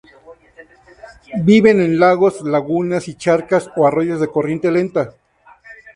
Viven en lagos, lagunas y charcas, o arroyos de corriente lenta.